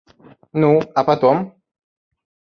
Ну, а потом?